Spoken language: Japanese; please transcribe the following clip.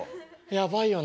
やばいよな。